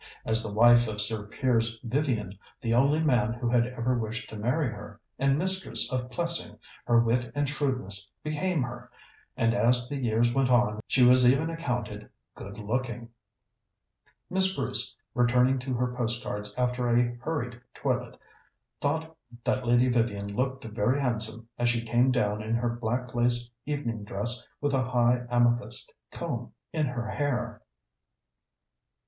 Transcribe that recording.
As the wife of Sir Piers Vivian, the only man who had ever wished to marry her, and mistress of Plessing, her wit and shrewdness became her, and as the years went on she was even accounted good looking. Miss Bruce, returning to her postcards after a hurried toilet, thought that Lady Vivian looked very handsome as she came down in her black lace evening dress with a high amethyst comb in her hair.